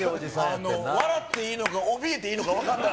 笑っていいのか、おびえていいのか分かんない。